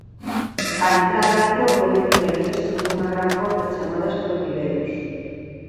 A entrada á Acrópole realízase por unha gran porta chamada os Propileos.